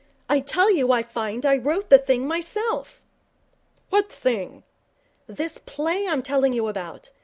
'I tell you I find I wrote the thing myself.' 'What thing?' 'This play I'm telling you about.